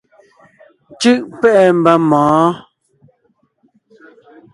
Cú’ pɛ́’ɛ mba mɔ̌ɔn.